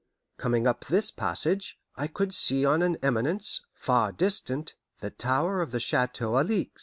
Coming up this passage, I could see on an eminence, far distant, the tower of the Chateau Alixe.